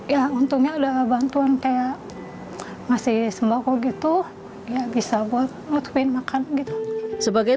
ya untungnya udah bantuan kayak ngasih sembako gitu ya bisa buat nutupin makan gitu sebagai